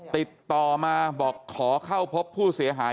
ติดต่อมาบอกขอเข้าพบผู้เสียหาย